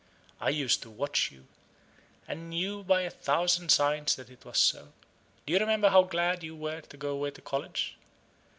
I used to watch you, and knew by a thousand signs that it was so. Do you remember how glad you were to go away to college?